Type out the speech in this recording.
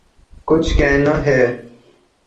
کچھ کہنا ہے